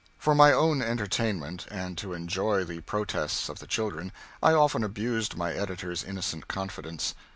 For my own entertainment, and to enjoy the protests of the children, I often abused my editor's innocent confidence.